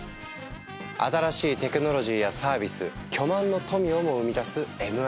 新しいテクノロジーやサービス巨万の富をも生み出すＭ＆Ａ。